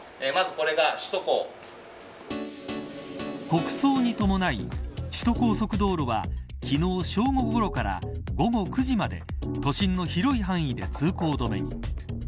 国葬に伴い、首都高速道路は昨日、正午ごろから午後９時まで都心の広い範囲で通行止めに。